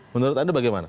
menurut anda bagaimana